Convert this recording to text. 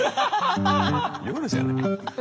夜じゃない。